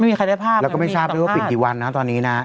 ไม่มีใครได้ภาพแล้วก็ไม่ชอบนะครับก็ไม่ชอบว่าปิดกี่วันครับตอนนี้นะ